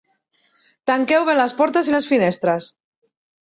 Tanqueu bé les portes i les finestres.